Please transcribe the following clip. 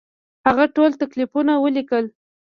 هغه ټول تکلیفونه ولیکل.